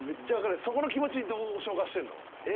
そこの気持ちどう消化してるの？え！